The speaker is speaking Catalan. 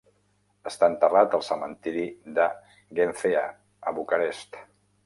Està enterrat al cementiri de Ghencea, a Bucarest.